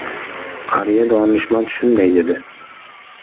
Qariya donishmand shunday dedi: